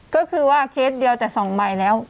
ก็คือว่าเคสเดียวแต่๒ใบแล้ว